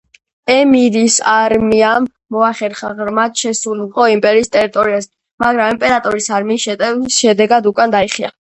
ემირის არმიამ მოახერხა ღრმად შესულიყო იმპერიის ტერიტორიაზე, მაგრამ იმპერატორის არმიის შეტევის შედეგად უკან დაიხია.